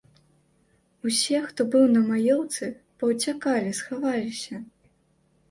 Усе, хто быў на маёўцы, паўцякалі, схаваліся.